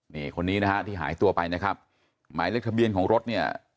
นี่คนนี้นะฮะที่หายตัวไปนะครับหมายเลขทะเบียนของรถเนี่ย